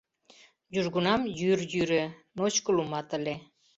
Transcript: Южгунам йӱр йӱрӧ, ночко лумат ыле.